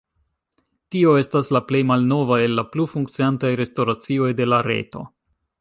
Tio estas la plej malnova el la plu funkciantaj restoracioj de la reto.